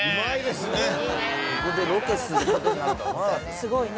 すごいね。